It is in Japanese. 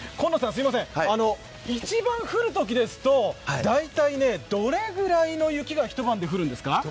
一番降るときですと大体どれぐらいの雪が一晩で降るんですか？